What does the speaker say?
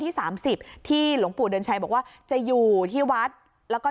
สามสิบที่หลวงปู่เดือนชัยบอกว่าจะอยู่ที่วัดแล้วก็